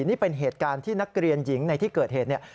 นี่เป็นเหตุการณ์ที่นักเรียนหญิงในที่เกิดเหตุเนี่ย